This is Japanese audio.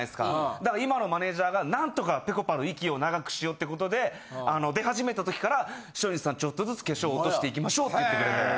だから今のマネージャーがなんとかぺこぱの息を長くしようってことで出始めたときから「松陰寺さんちょっとずつ化粧落としていきましょう」って言ってくれて。